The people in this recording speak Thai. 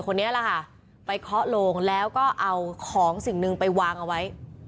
คนนี้แหละค่ะไปเคาะโลงแล้วก็เอาของสิ่งหนึ่งไปวางเอาไว้